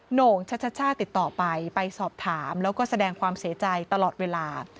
โหน่งชัชช่าติดต่อไปไปสอบถามแล้วก็แสดงความเสียใจตลอดเวลา